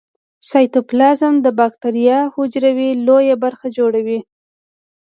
سایتوپلازم د باکتریايي حجرې لویه برخه جوړوي.